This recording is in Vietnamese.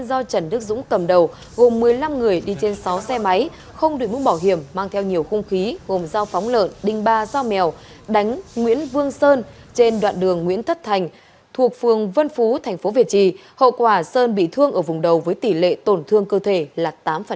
do trần đức dũng cầm đầu gồm một mươi năm người đi trên sáu xe máy không đuổi mũ bảo hiểm mang theo nhiều khung khí gồm giao phóng lợn đinh ba giao mèo đánh nguyễn vương sơn trên đoạn đường nguyễn thất thành thuộc phường vân phú tp việt trì hậu quả sơn bị thương ở vùng đầu với tỷ lệ tổn thương cơ thể là tám